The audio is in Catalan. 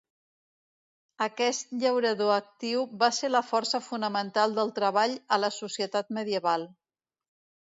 Aquest llaurador actiu va ser la força fonamental del treball a la societat medieval.